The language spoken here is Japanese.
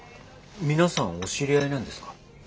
皆さんお知り合いなんですか？